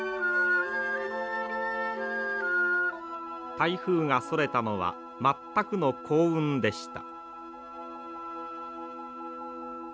台風がそれたのは全くの幸運でした。